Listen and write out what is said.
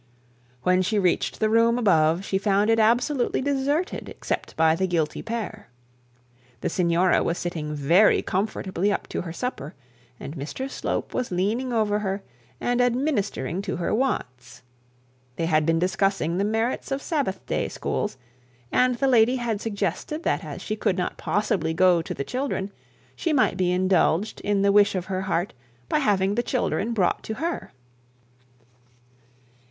When she reached the room above, she found it absolutely deserted, except for the guilty pair. The signora was sitting very comfortably up for her supper, and Mr Slope was leaning over her and administering to her wants. They had been discussing the merits of Sabbath day schools, and the lady suggested that as she could not possibly go to the children, she might be indulged in the wish of her heart by having the children brought to her.